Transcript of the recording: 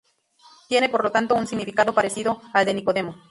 Tiene por lo tanto un significado parecido al de Nicodemo.